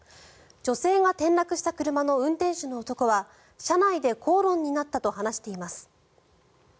女性が転落した車の運転手の男は車内で口論になったと話しています。